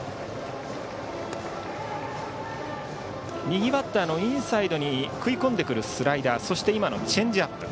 右バッターのインサイドに食い込んでくるスライダーそして今のチェンジアップ。